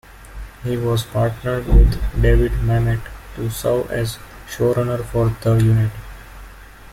He was partnered with David Mamet to serve as showrunner for "The Unit".